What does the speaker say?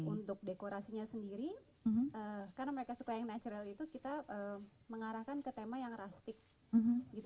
untuk dekorasinya sendiri karena mereka suka yang natural itu kita mengarahkan ke tema yang rustic gitu